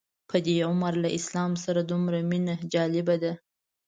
په دې عمر له اسلام سره دومره مینه جالبه ده.